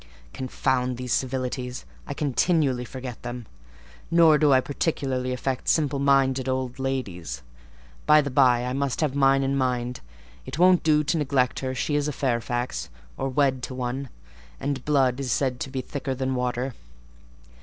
Confound these civilities! I continually forget them. Nor do I particularly affect simple minded old ladies. By the bye, I must have mine in mind; it won't do to neglect her; she is a Fairfax, or wed to one; and blood is said to be thicker than water."